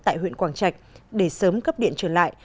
tại huyện quảng trạch để sớm cấp điện trở lại